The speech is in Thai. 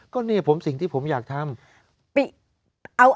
ก็เนี่ยผมสิ่งที่ผมอยากทำ